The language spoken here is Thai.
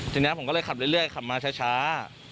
ทีนี้ผมก็เลยขับเรื่อยขับมาช้า